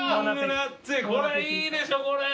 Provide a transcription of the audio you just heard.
これいいでしょこれ！